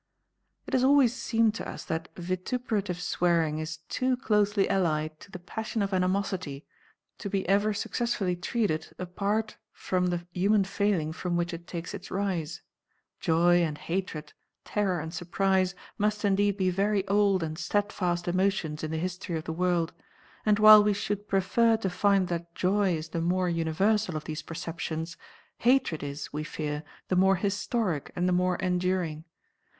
It has always seemed to us that vituperative swearing is too closely allied to the passion of animosity to be ever successfully treated apart from the human failing from which it takes its rise. Joy and hatred, terror and surprise must indeed be very old and steadfast emotions in the history of the world; and while we should prefer to find that joy is the more universal of these perceptions, hatred is, we fear, the more historic and the more enduring.